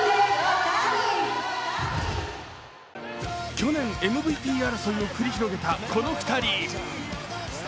去年、ＭＶＰ争いを繰り広げたこの２人。